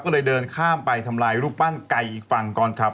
ก็เลยเดินข้ามไปทำลายรูปปั้นไก่อีกฝั่งก่อนครับ